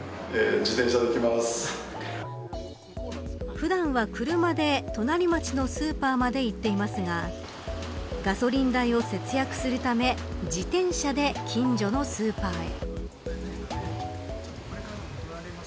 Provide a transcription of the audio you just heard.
普段は車で隣町のスーパーまで行っていますがガソリン代を節約するため自転車で近所のスーパーへ。